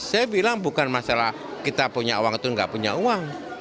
saya bilang bukan masalah kita punya uang atau nggak punya uang